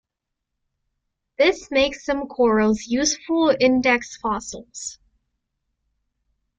This makes some corals useful index fossils.